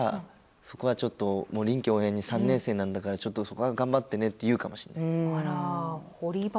そこはちょっと臨機応変に３年生なんだからちょっとそこは頑張ってね」って言うかもしれないです。